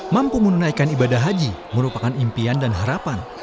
mampu menunaikan ibadah haji merupakan impian dan harapan